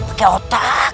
amuk barugun pakai otak